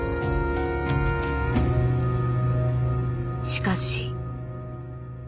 しかし。